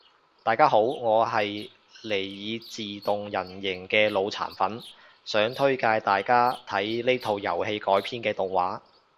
大家好我係尼爾自動人形嘅腦殘粉，想推介大家睇呢套遊戲改編嘅動畫